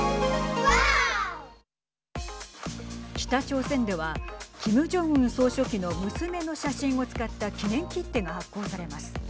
北朝鮮ではキム・ジョンウン総書記の娘の写真を使った記念切手が発行されます。